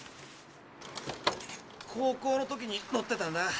高校の時に乗ってたんだ。